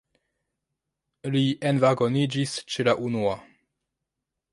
Li envagoniĝis ĉe la unua.